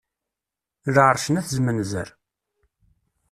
Lɛerc n At zmenzer.